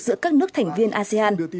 giữa các nước thành viên asean